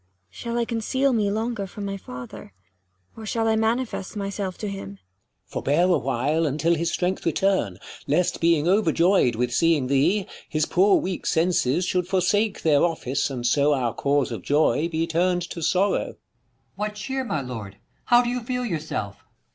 100 Shall I conceal me longer from my father ? Or shall I manifest myself to him ? King. Forbear a while, until his strength return, Lest being over joy'd with seeing thee, His poor weak senses should forsake their office, 105 And so our cause of joy be turned to sorrow, Per. What cheer, my lord ? how do you feel yourself